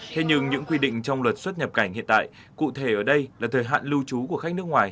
thế nhưng những quy định trong luật xuất nhập cảnh hiện tại cụ thể ở đây là thời hạn lưu trú của khách nước ngoài